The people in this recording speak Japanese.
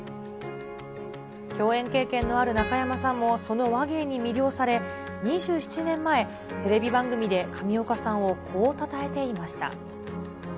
共演経験のある中山さんも、その話芸に魅了され、２７年前、テレビ番組で上岡さんをこうたたえていました。